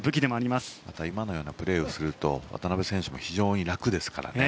また、今のようなプレーをすると渡辺選手も非常に楽ですからね。